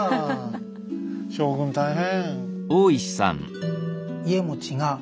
将軍大変！